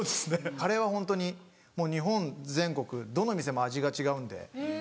カレーはホントに日本全国どの店も味が違うんで。